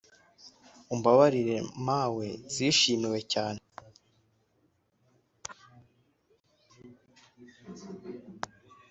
Umbabarire mawe zishimiwe cyane